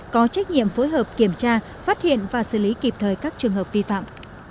có trách nhiệm phối hợp kiểm tra phát hiện và xử lý kịp thời các trường hợp vi phạm